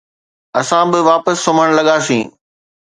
اسان به واپس سمهڻ لڳاسين